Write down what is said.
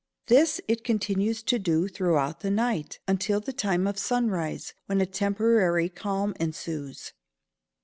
This it continues to do throughout the night, until the time of sunrise, when a temporary calm ensues.